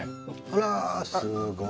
うわすごい。